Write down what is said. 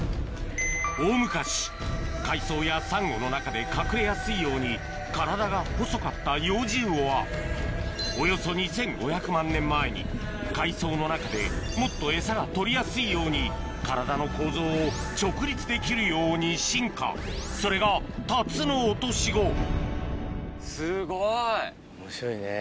大昔海藻やサンゴの中で隠れやすいように体が細かったヨウジウオはおよそ２５００万年前に海藻の中でもっとエサが取りやすいように体の構造を直立できるように進化それがタツノオトシゴ面白いね。